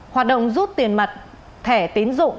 hoạt động rút tiền mặt thẻ tín dụng